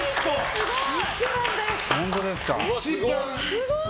すごい！